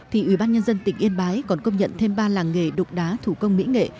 thì ủy ban nhân dân tỉnh yên bái còn công nhận thêm ba làng nghề đục đá thủ công mỹ nghệ